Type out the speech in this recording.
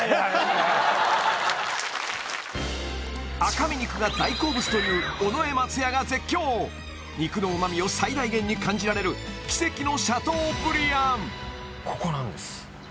赤身肉が大好物という尾上松也が絶叫肉の旨味を最大限に感じられる奇跡のシャトーブリアンここ？